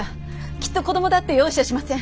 きっと子どもだって容赦しません。